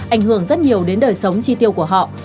ảnh hưởng rất nhiều đến đời sống chi tiêu của họ